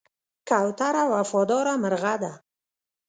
کوتره وفاداره مرغه ده.